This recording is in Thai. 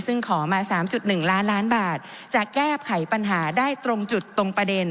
ซึ่งขอมา๓๑ล้านล้านบาทจะแก้ไขปัญหาได้ตรงจุดตรงประเด็น